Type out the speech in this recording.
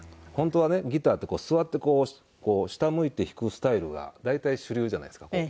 本当はねギターって座ってこう下向いて弾くスタイルが大体主流じゃないですか。